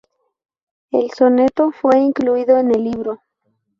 El soneto fue incluido en el libro.